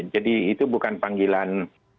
jadi itu bukan panggilan